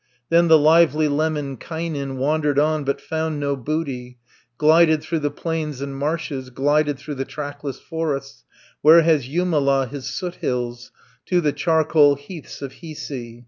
Then the lively Lemminkainen Wandered on, but found no booty, 80 Glided through the plains and marshes, Glided through the trackless forests, Where has Jumala his soot hills, To the charcoal heaths of Hiisi.